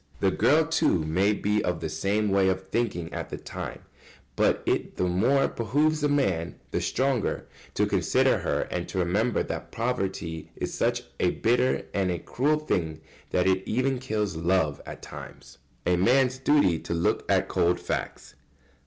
The girl, too, may be of the same way of thinking at the time, but it the more behoves the man, the stronger, to consider her and to remember that poverty is such a bitter and a cruel thing that it even kills love at times. [Sidenote: A man's duty to look at cold facts.